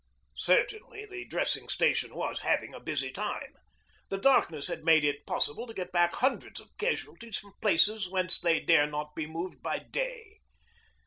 Certainly the dressing station was having a busy time. The darkness had made it possible to get back hundreds of casualties from places whence they dare not be moved by day.